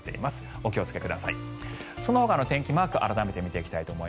お気をつけください。